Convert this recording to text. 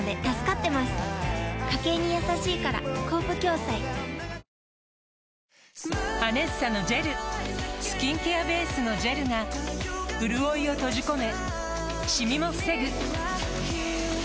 お試し容量も「ＡＮＥＳＳＡ」のジェルスキンケアベースのジェルがうるおいを閉じ込め